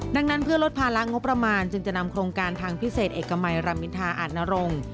ดังนั้นเพื่อลดภาระงบประมาณจึงจะนำโครงการทางพิเศษเอกมัยรามินทาอาจนรงค์